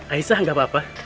aisyah gak apa apa